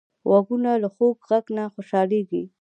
غوږونه له خوږ غږ نه خوشحالېږي